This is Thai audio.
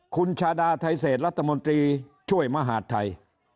คุณชาดาไทเศษรัฐมนตรีช่วยมหาดไทย